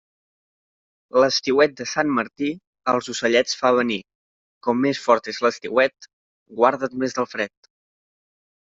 L'estiuet de Sant Martí els ocellets fa venir; com més fort és l'estiuet, guarda't més del fred.